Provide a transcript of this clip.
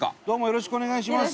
よろしくお願いします。